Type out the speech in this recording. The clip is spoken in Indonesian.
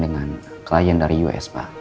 dengan klien dari us pak